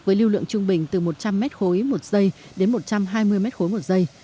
với lưu lượng trung bình từ một trăm linh m ba một giây đến một trăm hai mươi m ba một giây